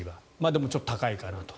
でもちょっと高いかなと。